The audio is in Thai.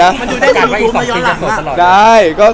อะไรนะ